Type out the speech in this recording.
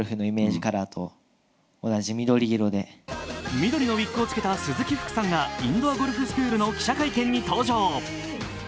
緑のウィッグをつけた鈴木福さんがインドアゴルフスクールの記者会見に登場。